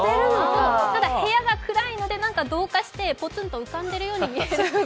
ただ、部屋が暗いので同化してポツンと浮かんでいるように。